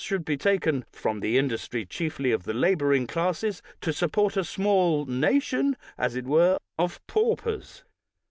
should be taken from the industry chiefly of the laboring classes to support a small nation, as it were, of paupers